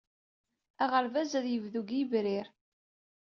Aɣerbaz ad yebdu deg Yebrir.